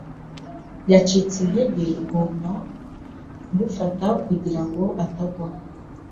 Yacitse intege, ngomba kumufata kugira ngo atagwa.